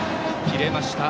切れました。